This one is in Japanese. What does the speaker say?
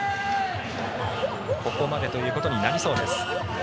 ここまでということになりそうです。